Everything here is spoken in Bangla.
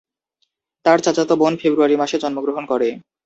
তার চাচাতো বোন ফেব্রুয়ারি মাসে জন্মগ্রহণ করে।